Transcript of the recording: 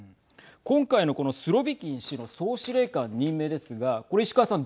今回の、このスロビキン氏の総司令官任命ですがこれ石川さん